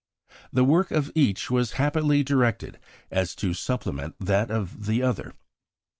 The work of each was happily directed so as to supplement that of the other.